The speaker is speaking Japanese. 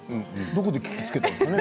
どこで聞きつけて。